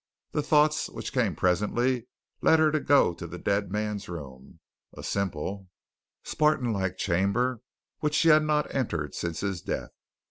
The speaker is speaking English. The thoughts which came presently led her to go to the dead man's room a simple, spartan like chamber which she had not entered since his death.